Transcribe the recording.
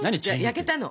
焼けたの。